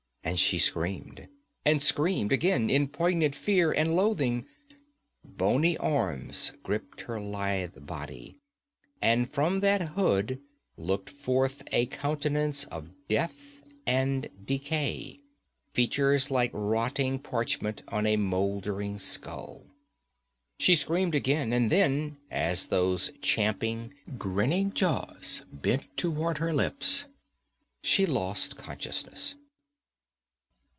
And she screamed, and screamed again in poignant fear and loathing. Bony arms gripped her lithe body, and from that hood looked forth a countenance of death and decay features like rotting parchment on a moldering skull. She screamed again, and then, as those champing, grinning jaws bent toward her lips, she lost consciousness....